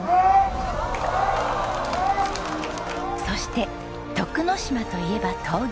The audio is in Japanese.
そして徳之島といえば闘牛。